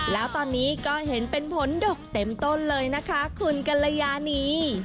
แล้วตอนนี้ก็เห็นเป็นผลดกเต็มต้นเลยนะคะคุณกัลยานี